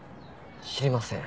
知りません。